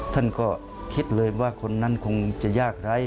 ท่านก็คิดเลยว่าคนนั้นคงจะยากไร้